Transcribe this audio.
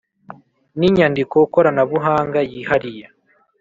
N inyandiko koranabuhanga yihariye